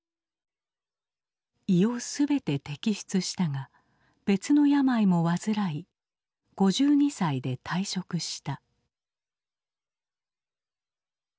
胃を全て摘出したが別の病も患い５２歳で退職した。